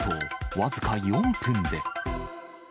僅か４分で。